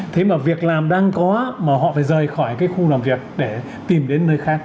thế mà việc làm đang có mà họ phải rời khỏi cái khu làm việc để tìm đến nơi khác